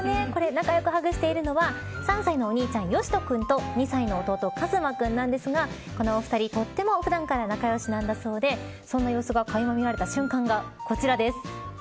仲良くハグしているのは３歳のお兄ちゃん、よしとくんと２歳弟かずま君なんですがこの２人とても普段から仲良しなんだそうでそんな様子がかいま見られた瞬間が、こちらです。